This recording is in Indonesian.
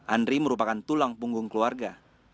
andri merupakan tulang punggung keluarga